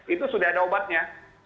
itu sudah ada obatnya